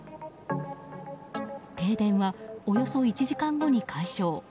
停電はおよそ１時間後に解消。